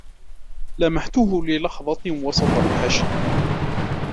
لمحته للحظة وسط الحشد